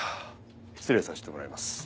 失礼させてもらいます。